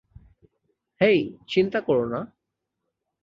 হেই চিন্তা করো না।